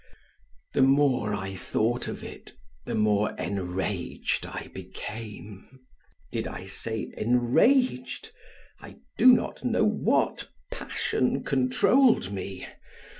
The more I thought of it the more enraged I became. Did I say enraged? I do not know what passion controlled me.